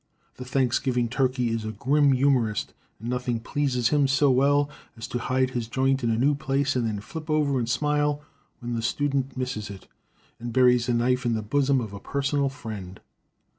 The Thanksgiving turkey is a grim humorist, and nothing pleases him so well as to hide his joint in a new place and then flip over and smile when the student misses it and buries the knife in the bosom of a personal friend.